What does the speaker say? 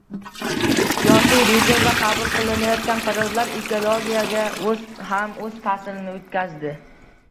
Siyosiy rejim va qabul qilinayotgan qarorlar ekologiyaga ham ta’sirini o‘tkazadi